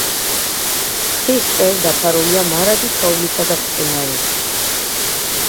მთის წვერი დაფარულია მარადი თოვლითა და მყინვარებით.